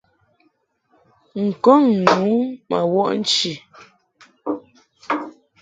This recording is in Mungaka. N-kɔŋ nu ma wɔʼ nchi.